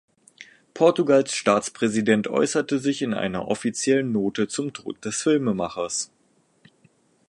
Portugals Staatspräsident äußerte sich in einer offiziellen Note zum Tod des Filmemachers.